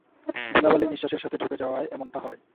ধুলাবালি নিশ্বাসের সাথে ঢুকে যাওয়ায় এমনটা হয়।